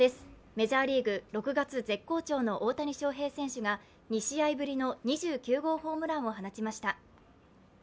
メジャーリーグ、６月絶好調の大谷翔平選手が２試合ぶりの２９号ホームランを放ちました。